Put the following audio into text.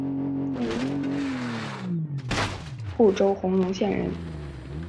虢州弘农县人。